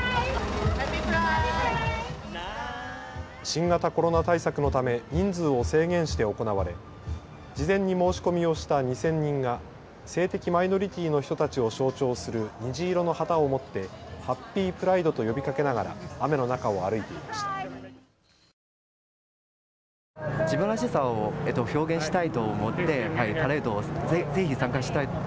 新型コロナ対策のため人数を制限して行われ事前に申し込みをした２０００人が性的マイノリティーの人たちを象徴する虹色の旗を持ってハッピープライドと呼びかけながら雨の中を歩いていました。